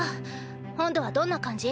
本土はどんな感じ？